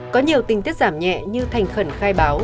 có nhiều tình tiết giảm nhẹ như thành khẩn khai báo